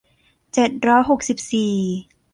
เจ็ดร้อยหกสิบสี่